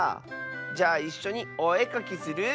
じゃあいっしょにおえかきする？